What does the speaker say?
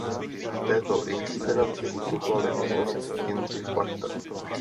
V této inscenaci účinkoval jako host Jindřich Plachta.